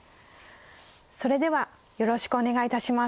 それではよろしくお願いいたします。